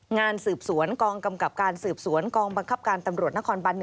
งานสืบสวนกองกำกับการสืบสวนกองบังคับการตำรวจนครบัน๑